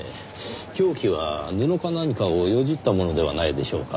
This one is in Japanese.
凶器は布か何かをよじったものではないでしょうか。